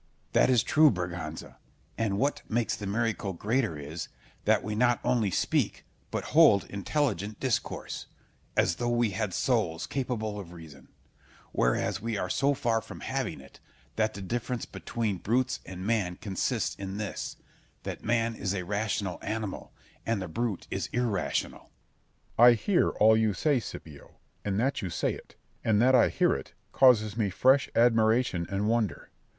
Scip. That is true, Berganza; and what makes the miracle greater is, that we not only speak but hold intelligent discourse, as though we had souls capable of reason; whereas we are so far from having it, that the difference between brutes and man consists in this, that man is a rational animal and the brute is irrational. Berg. I hear all you say, Scipio; and that you say it, and that I hear it, causes me fresh admiration and wonder.